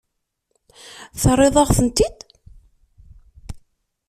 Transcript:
Terriḍ-aɣ-tent-id?